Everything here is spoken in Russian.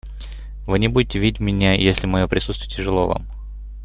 Вы не будете видеть меня, если мое присутствие тяжело вам.